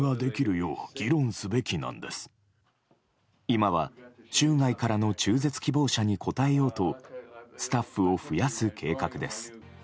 今は州外からの中絶希望者に応えようとスタッフを増やす計画です。